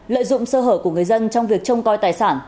lợi dụng sơ hở của người dân trong việc trông coi tài sản